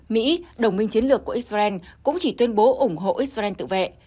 mỹ đồng minh chiến lược của israel cũng chỉ tuyên bố ủng hộ israel tự vệ